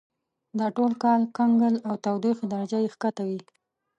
دا ټول کال کنګل او تودوخې درجه یې کښته وي.